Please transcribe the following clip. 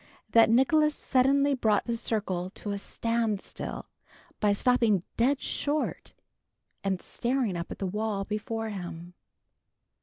that Nicholas suddenly brought the circle to a stand still by stopping dead short, and staring up at the wall before him.